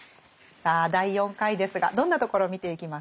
さあ第４回ですがどんなところを見ていきますか？